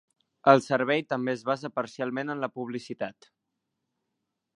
El servei també es basa parcialment en la publicitat.